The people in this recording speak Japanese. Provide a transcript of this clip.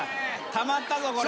たまったぞこれ。